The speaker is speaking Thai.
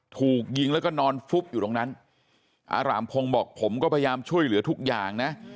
ถูกยิงแล้วก็นอนฟุบอยู่ตรงนั้นอารามพงศ์บอกผมก็พยายามช่วยเหลือทุกอย่างนะ